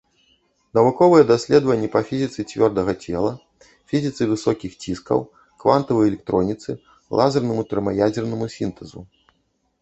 Навуковыя даследаванні па фізіцы цвёрдага цела, фізіцы высокіх ціскаў, квантавай электроніцы, лазернаму тэрмаядзернаму сінтэзу.